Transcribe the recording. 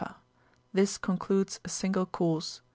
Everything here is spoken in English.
This concludes a single course.